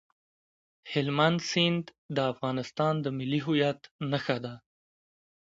هلمند سیند د افغانستان د ملي هویت نښه ده.